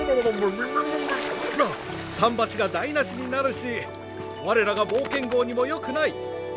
桟橋が台なしになるし我らが冒険号にもよくない。